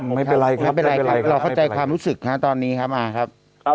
ไม่เป็นไรครับไม่เป็นไรครับเราเข้าใจความรู้สึกฮะตอนนี้ครับอาครับ